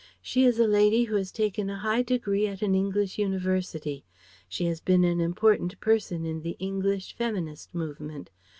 "She is a lady who has taken a high degree at an English University. She has been an important person in the English feminist movement.